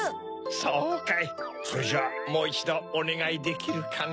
そうかいそれじゃあもういちどおねがいできるかな？